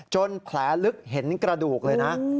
แผลลึกเห็นกระดูกเลยนะ